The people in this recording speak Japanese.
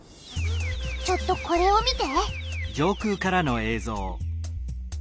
ちょっとこれを見て。